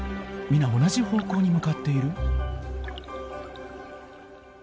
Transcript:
皆同じ方向に向かっている？